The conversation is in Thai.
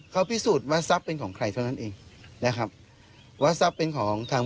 เขาพิสูจน์ว่าทรัพย์เป็นของใครเท่านั้นเองนะครับว่าทรัพย์เป็นของทาง